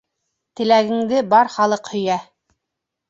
Теләгеңде бар халыҡ һөйә.